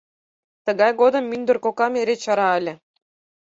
Тыгай годым мӱндыр кокам эре чара ыле.